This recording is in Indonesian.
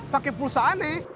pakai pulsa aneh